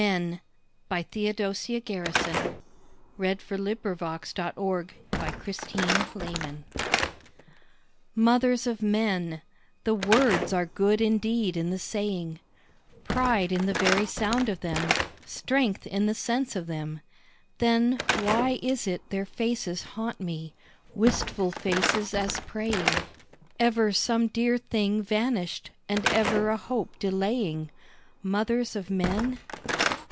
And what the little child console Who weeps alone at night? MOTHERS OF MEN Mothers of men the words are good indeed in the saying, Pride in the very sound of them, strength in the sense of them, then Why is it their faces haunt me, wistful faces as praying Ever some dear thing vanished and ever a hope delaying, Mothers of Men?